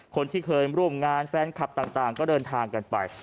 คนที่เคยร่วมงานแฟนคลับต่างก็เดินทางกันไป